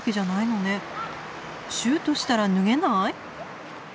シュートしたら脱げない？